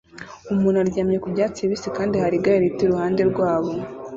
Umuntu aryamye ku byatsi bibisi kandi hari igare rito iruhande rwabo